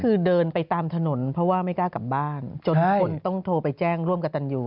คือเดินไปตามถนนเพราะว่าไม่กล้ากลับบ้านจนคนต้องโทรไปแจ้งร่วมกับตันยู